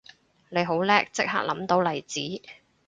你好叻即刻諗到例子